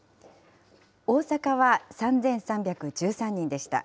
大阪は３３１３人でした。